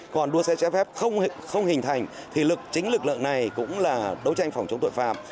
còn đua xe trái phép không hình thành thì lực chính lực lượng này cũng là đấu tranh phòng chống tội phạm